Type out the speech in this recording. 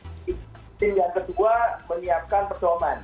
tim yang kedua menyiapkan persoman